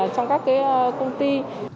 trong các công ty